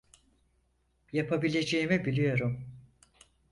Yapabileceğimi biliyorum.